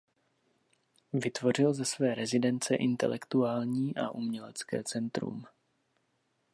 Vytvořil ze své rezidence intelektuální a umělecké centrum.